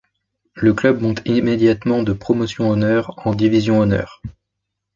Le club monte immédiatement de Promotion Honneur en Division Honneur.